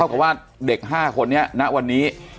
กับว่าเด็ก๕คนนี้ณวันนี้